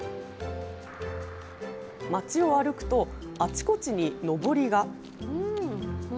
町を歩くとあちこちにのぼりが。